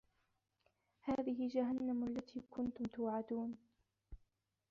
هذِهِ جَهَنَّمُ الَّتي كُنتُم توعَدونَ